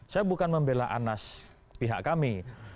saya bukan membela anas pihak kami